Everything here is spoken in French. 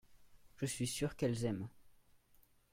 je suis sûr qu'elles aiment.